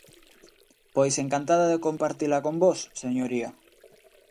Pois encantada de compartila con vós, señoría.